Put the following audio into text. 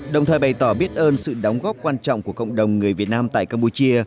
đồng thời bày tỏ biết ơn sự đóng góp quan trọng của cộng đồng người việt nam tại campuchia